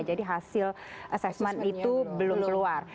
jadi hasil assessment itu belum keluar